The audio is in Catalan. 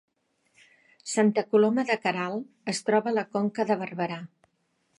Santa Coloma de Queralt es troba a la Conca de Barberà